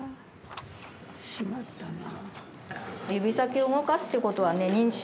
しまったな。